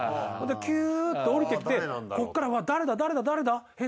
キューッと下りてきてここから誰だ誰だ誰だえっ